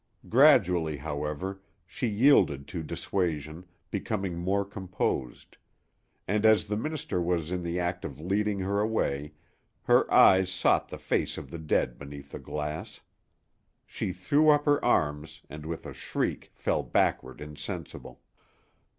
Gradually, however, she yielded to dissuasion, becoming more composed; and as the minister was in the act of leading her away her eyes sought the face of the dead beneath the glass. She threw up her arms and with a shriek fell backward insensible.